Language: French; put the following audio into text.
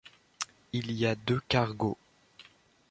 Il y a deux cargos.